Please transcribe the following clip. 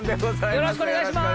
よろしくお願いします！